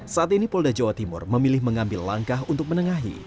saat ini polda jawa timur memilih mengambil langkah untuk menengahi